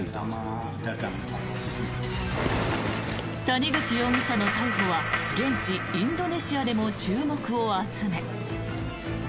谷口容疑者の逮捕は現地インドネシアでも注目を集め。